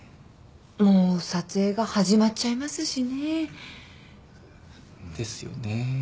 もう撮影が始まっちゃいますしね。ですよね。